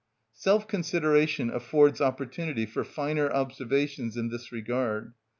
Self consideration affords opportunity for finer observations in this regard.